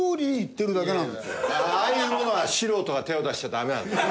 ああいうものは素人が手を出しちゃダメなんですよ。